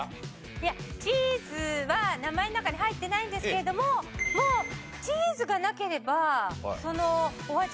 いやチーズは名前の中に入ってないんですけれどももうチーズがなければそのお味が成立しないんじゃないかな。